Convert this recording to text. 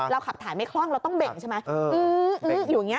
เราขับถ่ายไม่คล่องเราต้องเบ่งใช่ไหม